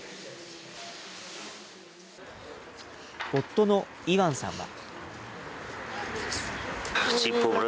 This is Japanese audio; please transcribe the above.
夫のイワンさんは。